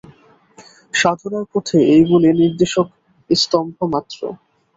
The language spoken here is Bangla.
সাধনার পথে এইগুলি নির্দেশক-স্তম্ভ মাত্র।